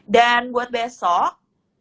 dan buat besok